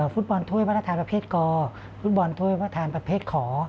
ฟุตบอลถ้วยพระราชทานประเภทกฟุตบอลถ้วยพระทานประเภทขอ